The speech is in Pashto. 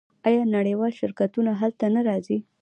آیا نړیوال شرکتونه هلته نه راځي؟